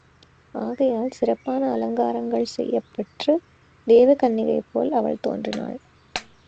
ஆகையால் சிறப்பான அலங்காரங்கள் செய்யப்பெற்றுத் தேவகன்னிகைபோல அவள் தோன்றினாள்.